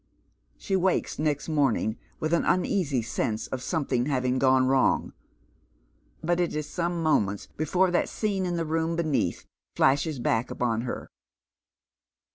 Slie wakes next morning with an uneasy sense of something having gone wrong ; but it is some moments before that scene in the room beneath flashes back upon her.